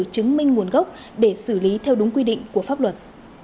đó là nguồn gốc để xử lý theo đúng quy định của pháp luật